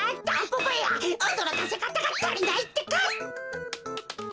おどろかせかたがたりないってか。